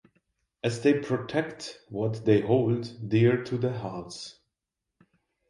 As they protect what they hold dear to their hearts!